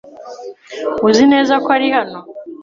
Uzi neza ko ari hano?